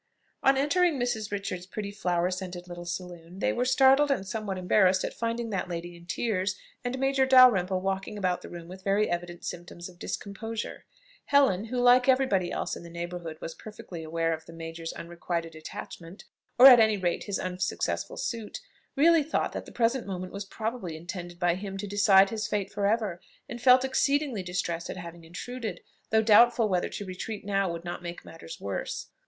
On entering Mrs. Richards's pretty flower scented little saloon, they were startled and somewhat embarrassed at finding that lady in tears, and Major Dalrymple walking about the room with very evident symptoms of discomposure. Helen, who, like every body else in the neighbourhood, was perfectly aware of the major's unrequited attachment, or, at any rate, his unsuccessful suit, really thought that the present moment was probably intended by him to decide his fate for ever; and felt exceedingly distressed at having intruded, though doubtful whether to retreat now would not make matters worse.